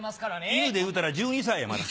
犬で言うたら１２歳やまだ。